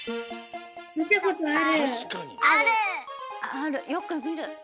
あるよくみる。